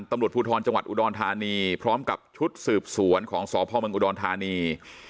ตำรวจภูทรจังหวัดอุดรธานีพร้อมกับชุดสืบสวนของสพเมืองอุดรธานี